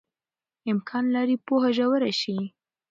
امکان لري پوهه ژوره شي.